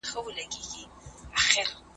زه اوس د سبا لپاره د يادښتونه ترتيب کوم؟!